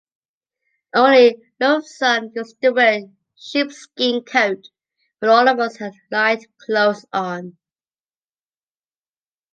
Only Luvsan used to wear sheepskin coat, when all of us had light clothes on.